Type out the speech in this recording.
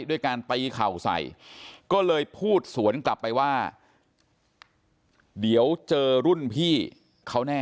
ด้วยการตีเข่าใส่ก็เลยพูดสวนกลับไปว่าเดี๋ยวเจอรุ่นพี่เขาแน่